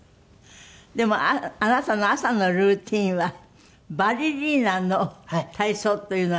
でもあなたの朝のルーチンはバレリーナの体操というのが。